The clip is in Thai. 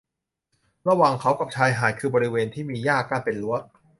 ระหว่างเขากับชายหาดคือบริเวณที่มีหญ้ากั้นเป็นรั้ว